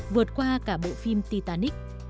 vượt qua cả bộ phim titanic